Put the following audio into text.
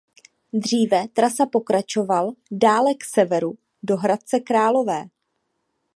Dříve trasa pokračoval dále k severu do Hradce Králové.